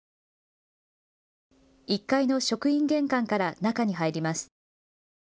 １階の職員玄関から中に入ります。